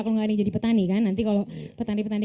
kalau tidak jadi petani nanti kalau petani petani